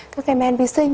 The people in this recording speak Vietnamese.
các cái men vi sinh